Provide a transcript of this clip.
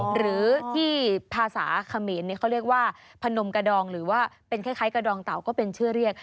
หรือที่ภาษาเขมรเขาเรียกว่าพนมกระดองหรือว่าเป็นคล้ายกระดองเต่าก็เป็นชื่อเรียก